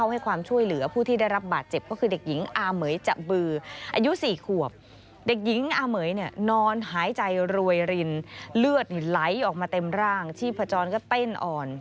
หายใจรวยรินเลือดไหลออกมาเต็มร่างชีพจรก็เต้นอ่อน